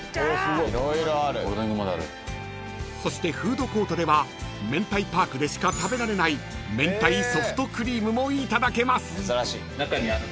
［そしてフードコートではめんたいパークでしか食べられない明太ソフトクリームもいただけます］